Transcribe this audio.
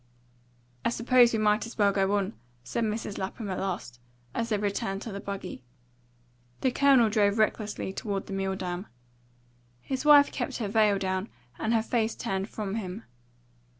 "I suppose we might as well go on," said Mrs. Lapham at last, as they returned to the buggy. The Colonel drove recklessly toward the Milldam. His wife kept her veil down and her face turned from him.